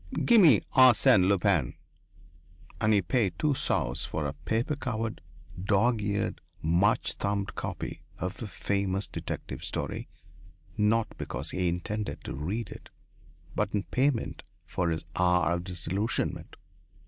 "Give me 'Ars ne Lupin'." And he paid two sous for a paper covered, dog eared, much thumbed copy of the famous detective story, not because he intended to read it, but in payment for his hour of disillusionment.